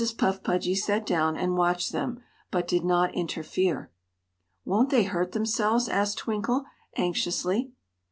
Puff Pudgy sat down and watched them, but did not interfere. "Won't they hurt themselves?" asked Twinkle, anxiously.